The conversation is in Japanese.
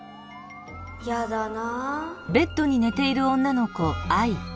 やだな。